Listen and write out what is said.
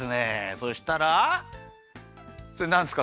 そしたらそれなんですか？